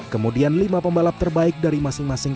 kemudian lima pembalap terbaik dari masing masing